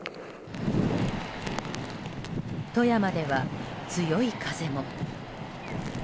富山では、強い風も。